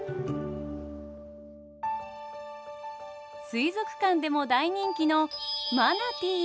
水族館でも大人気のマナティー。